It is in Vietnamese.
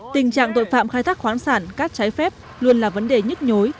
tình trạng tội phạm khai thác khoáng sản cát trái phép luôn là vấn đề nhức nhối